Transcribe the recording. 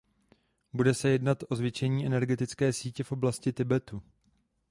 Bude se jednat o zvětšení energetické sítě v oblasti Tibetu.